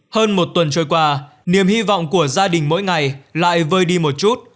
hơn một tuần trôi qua niềm hy vọng của gia đình mỗi ngày lại vơi đi một chút